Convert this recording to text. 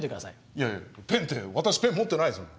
いやいやペンて私ペン持ってないですもん。